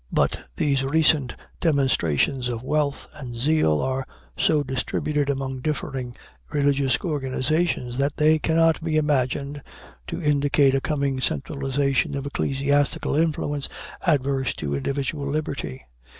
But these recent demonstrations of wealth and zeal are so distributed among differing religious organizations that they cannot be imagined to indicate a coming centralization of ecclesiastical influence adverse to individual liberty.